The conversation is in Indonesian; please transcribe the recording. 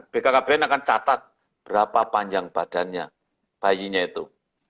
bkkbn akan catat berapa panjang badannya bayinya itu